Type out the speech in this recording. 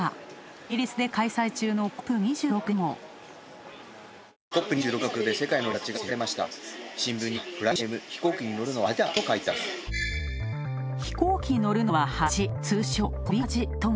イギリスで開催中のＣＯＰ２６でも。